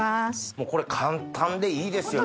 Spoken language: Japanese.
もうこれ簡単でいいですよね。